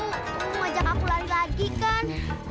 hmm ajak aku lari lagi kan